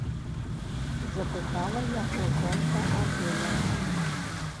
- запытала яго жонка Адэля.